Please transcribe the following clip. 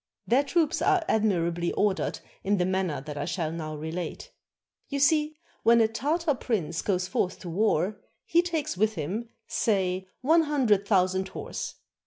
Their troops are admirably ordered in the manner that I shall now relate. You see, when a Tartar prince goes forth to war, he takes with him, say, one hundred thousand horse.